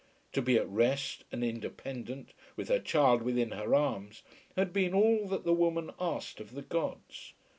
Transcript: To be at rest, and independent, with her child within her arms, had been all that the woman asked of the gods.